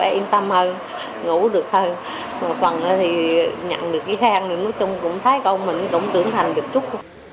nói chung cũng thấy ông mình cũng tưởng thành được chút